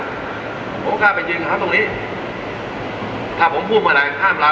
ผมกล้าไปยืนหาตรงนี้ถ้าผมพูดเมื่อไหร่ห้ามเรา